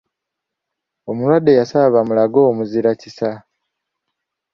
Omulwadde yasaba bamulage omuzira kisa.